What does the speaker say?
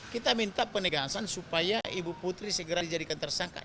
kita minta penegasan supaya ibu putri segera dijadikan tersangka